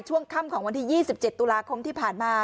ช่วงค่ำของวันที่๒๗ตุลาคมที่ผ่านมา